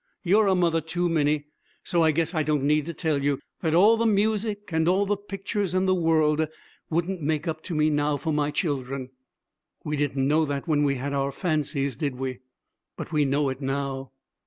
You're a mother, too, Minnie, so I guess I don't need to tell you that all the music and all the pictures in the world wouldn't make up to me, now, for my children. We didn't know that when we had our "fancies," did we? But we know it now.